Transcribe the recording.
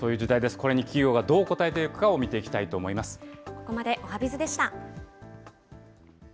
これに企業がどう応えていくかをここまでおはＢｉｚでした。